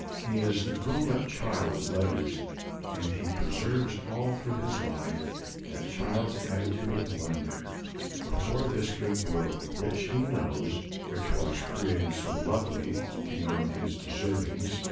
He is the grown up child of letters, and he preserves all through his life that child's attitude of wonder, before 'this good world, which he knows which was created so lovely, beyond his deservings.'